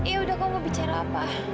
ya udah kamu mau bicara apa